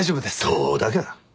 どうだか。